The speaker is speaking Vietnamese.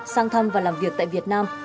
sang thăm và làm việc tại việt nam